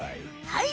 はい。